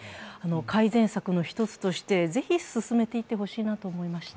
改善策の一つとしてぜひ進めていってほしいなと思いました。